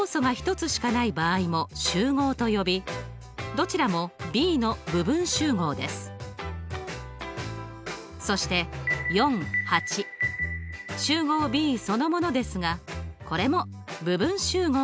そして集合Ｂそのものですがこれも部分集合といいます。